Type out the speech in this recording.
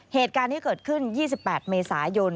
เหตุการณ์ที่เกิดขึ้น๒๘เมษายน